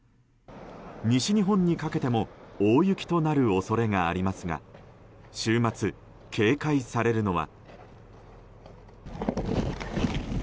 西日本にかけても大雪となる恐れがありますが週末、警戒されるのは。